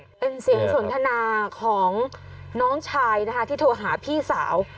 เป็นเสียงสนทนาของน้องชายนะคะที่โทรหาพี่สาว